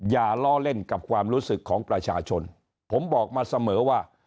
อย่าล้อเล่นกับความรู้สึกของประชาชนผมบอกมาเสมอว่า